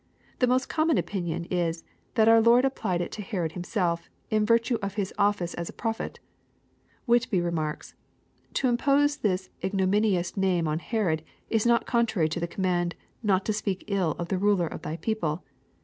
The most common opinion is, that our Lord applied it to Herod him self, in virtue of His office as a prophet. Whitby remarks, To impose this ignominious name on Herod is not contrary to the command * not to speak ill of the ruler of thy people.